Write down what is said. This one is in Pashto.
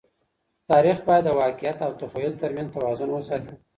تاریخ باید د واقعیت او تخیل تر منځ توازن وساتي.